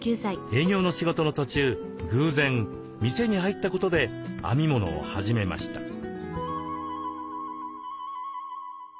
営業の仕事の途中偶然店に入ったことで編み物を始めました。